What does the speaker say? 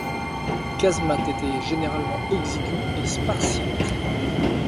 Les casemates étaient généralement exiguës et spartiates.